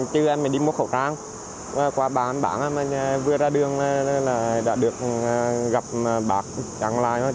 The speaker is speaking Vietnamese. cảnh sát giao thông đã được gặp bà trang lai